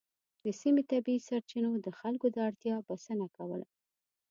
د سیمې طبیعي سرچینو د خلکو د اړتیا بسنه کوله.